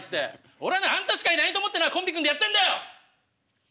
俺はなあんたしかいないと思ってなコンビ組んでやってんだよ！